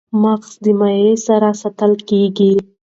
مغز د مایع سره ساتل کېږي.